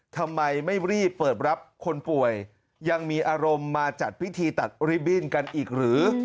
ทำไมไม่รีบเปิดรับคนป่วยยังมีอารมณ์มาจัดพิธีตัดริบบิ้นกันอีกหรือ